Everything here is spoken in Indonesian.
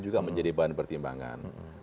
juga menjadi bahan pertimbangan